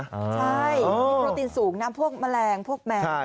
ใช่นี่โปรตีนสูงนะพวกแมลงพวกแมว